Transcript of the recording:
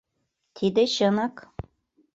Тиде чынак!